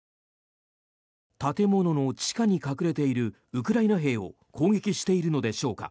建物の地下に隠れているウクライナ兵を攻撃しているのでしょうか。